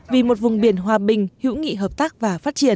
vì một vùng biển hòa bình hữu nghị hợp tác và phát triển